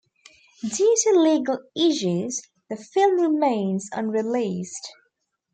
Due to legal issues, the film remains unreleased.